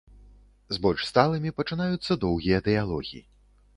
З больш сталымі пачынаюцца доўгія дыялогі.